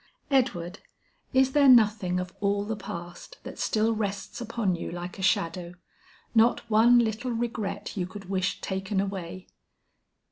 Edward, is there nothing of all the past that still rests upon you like a shadow? Not one little regret you could wish taken away?"